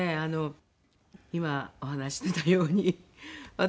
今お話ししてたように私